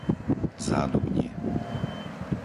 Zádubnie